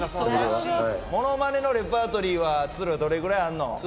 モノマネのレパートリーは都留、どれぐらいあんの？